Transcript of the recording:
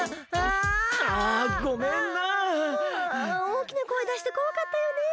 おおきなこえだしてこわかったよね。